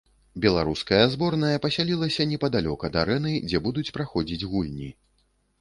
Беларуская зборная пасялілася непадалёк ад арэны, дзе будуць праходзіць гульні.